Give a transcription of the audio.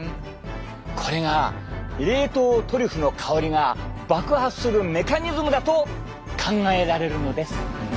これが冷凍トリュフの香りが爆発するメカニズムだと考えられるのです。